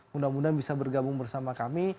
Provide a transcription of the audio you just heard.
mudah mudahan bisa bergabung bersama kami